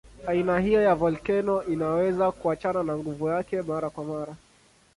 Aina hiyo ya volkeno inaweza kuachana na nguvu yake mara kwa mara.